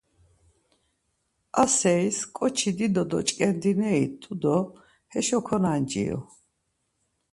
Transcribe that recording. Ar seris ǩoçi dido doç̌ǩinderi t̆u do heşo konanciru.